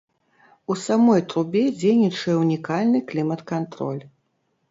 У самой трубе дзейнічае ўнікальны клімат-кантроль.